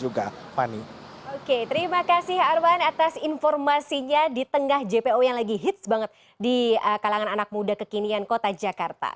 oke terima kasih arman atas informasinya di tengah jpo yang lagi hits banget di kalangan anak muda kekinian kota jakarta